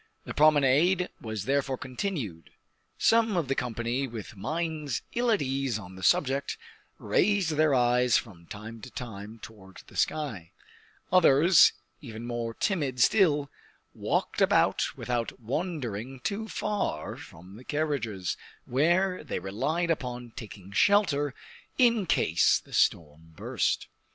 The promenade was therefore continued; some of the company, with minds ill at ease on the subject, raised their eyes from time to time towards the sky; others, even more timid still, walked about without wandering too far from the carriages, where they relied upon taking shelter in case the storm burst.